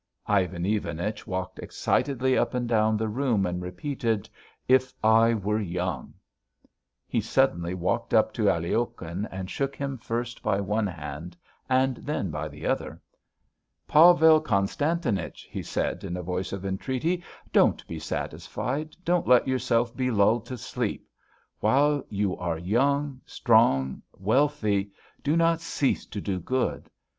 Ivan Ivanich walked excitedly up and down the room and repeated: "If I were young." He suddenly walked up to Aliokhin and shook him first by one hand and then by the other. "Pavel Konstantinich," he said in a voice of entreaty, "don't be satisfied, don't let yourself be lulled to sleep! While you are young, strong, wealthy, do not cease to do good!